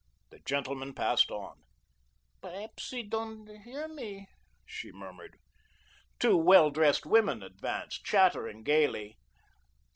The gentleman passed on. "Perhaps he doand hear me," she murmured. Two well dressed women advanced, chattering gayly.